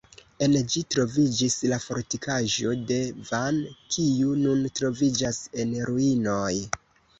En ĝi troviĝis la fortikaĵo de Van kiu nun troviĝas en ruinoj.